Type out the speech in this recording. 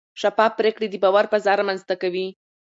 شفاف پریکړې د باور فضا رامنځته کوي.